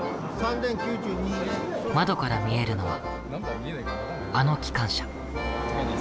窓から見えるのはあの機関車。